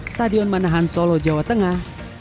stadion manahan solo jawa tengah